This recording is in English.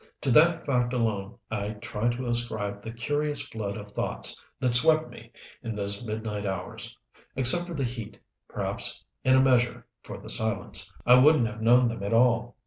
To that fact alone I try to ascribe the curious flood of thoughts that swept me in those midnight hours. Except for the heat, perhaps in a measure for the silence, I wouldn't have known them at all.